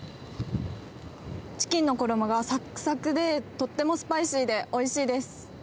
チキンの衣がサクサクでとてもスパイシーでおいしいです。